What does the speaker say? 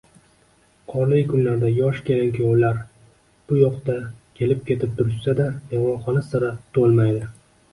Qorli kunlarda yosh kelin-kuyovlar bu yoqqa kelib-ketib turishsada, mehmonxona sira to`lmaydi